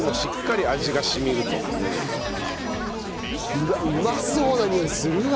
うわっうまそうなにおいするわ。